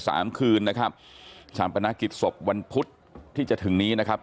สามคืนนะครับชามปนากิจศพวันพุธที่จะถึงนี้นะครับ